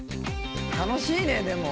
楽しいね！